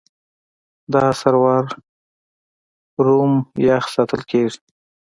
دا سرور روم یخ ساتل کېږي.